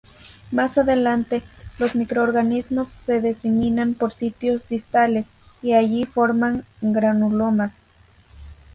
Más adelante, los microorganismos se diseminan por sitios distales, y allí forman granulomas.